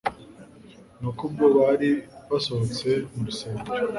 Nuko ubwo bari basohotse mu rusengero